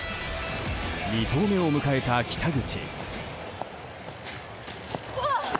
２投目を迎えた北口。